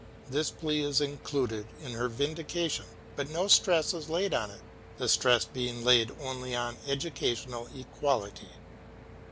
This plea is included in her vindication, but no stress is laid on it, the stress being laid only on educational equality.